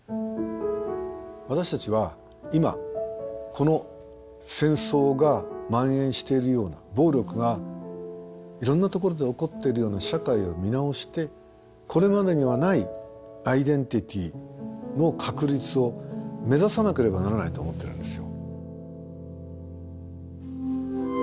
私たちは今この戦争がまん延しているような暴力がいろんなところで起こっているような社会を見直してこれまでにはないアイデンティティーの確立を目指さなければならないと思ってるんですよ。